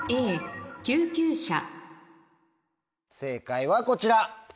正解はこちら。